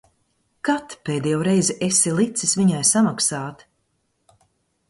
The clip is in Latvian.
Kad pēdējo reizi esi licis viņai samaksāt?